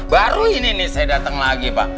baru ini nih saya datang lagi pak